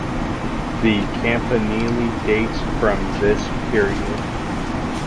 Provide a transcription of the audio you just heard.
The campanile dates from this period.